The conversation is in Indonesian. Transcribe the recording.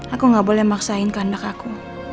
aku gak boleh maksain kehendak aku